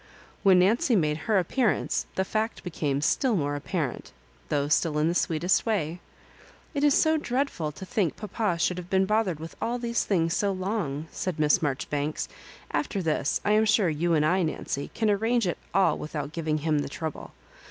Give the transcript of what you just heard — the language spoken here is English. When Nancy made her appearance the fact became still more apparent, though still in the sweetest way. " It is so dreadful to think papa should have been bothered with all these things so long," said Miss Marjoribanks. " After this I am sure you and I, Nancy, can arrange it all without giving him the trouble.